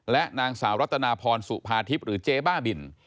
และนางสาวรัตนาพรสุภาทิพย์หรือเจ๊บ้าบิน